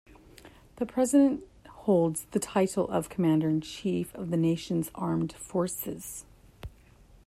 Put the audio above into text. The President holds the title of commander-in-chief of the nation's armed forces.